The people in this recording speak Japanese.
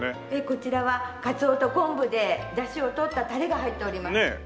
こちらはカツオと昆布で出汁をとったタレが入っております。